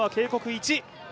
１。